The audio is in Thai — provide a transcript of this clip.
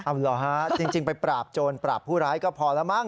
เอาเหรอฮะจริงไปปราบโจรปราบผู้ร้ายก็พอแล้วมั้